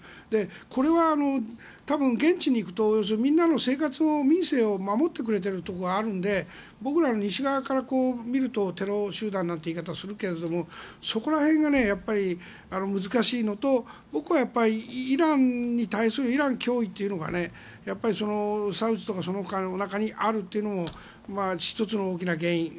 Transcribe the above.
これは多分、現地に行くとみんなの生活を、民生を守っているところがあるので僕ら西側から見るとテロ集団なんて言い方をするけれどもそこら辺が難しいのと僕はイランに対するイラン脅威というのがやっぱりサウジとかその他の中にあるというのも１つの大きな原因で。